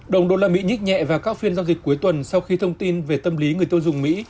đồng usd nhích nhẹ vào các phiên giao dịch cuối tuần sau khi thông tin về tâm lý người tiêu dùng mỹ